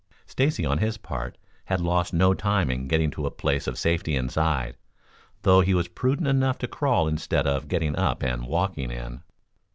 Stacy, on his part, had lost no time in getting to a place of safety inside, though he was prudent enough to crawl instead of getting up and walking in.